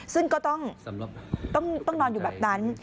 ซึ่งก็ต้องนอนอยู่แบบนั้น